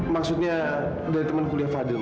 maksudnya dari teman kuliah fadil